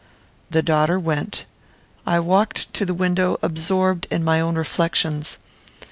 The daughter went. I walked to the window absorbed in my own reflections.